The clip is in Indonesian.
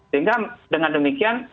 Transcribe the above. sehingga dengan demikian